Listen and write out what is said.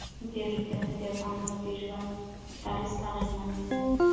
د ریګ دښتې د افغانانو د ژوند طرز اغېزمنوي.